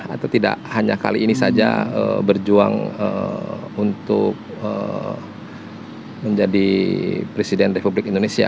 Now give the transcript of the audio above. atau tidak hanya kali ini saja berjuang untuk menjadi presiden republik indonesia